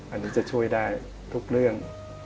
อันนี้จะช่วยได้ทุกเรื่อง